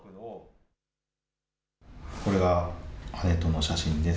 これが姉との写真です。